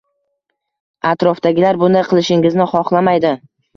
Atrofdagilar bunday qilishingizni xohlamaydi.